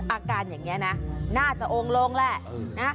อาการอย่างนี้นะน่าจะองค์ลงแหละนะ